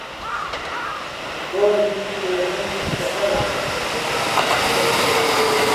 ڕۆژی سێهەمی سەفەرم بوو